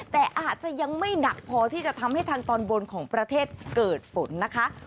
แต่อาจจะยังไม่หนักพอที่จะทำให้ทางตอนบนของประเทศเกิดฝนนะคะ